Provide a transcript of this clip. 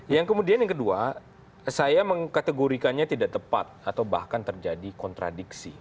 yang kemudian yang kedua saya mengkategorikannya tidak tepat atau bahkan terjadi kontradiksi